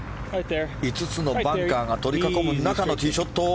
５つのバンカーが取り囲む中のティーショット。